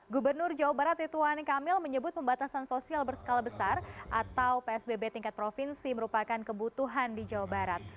gubernur jawa barat rituan kamil menyebut pembatasan sosial berskala besar atau psbb tingkat provinsi merupakan kebutuhan di jawa barat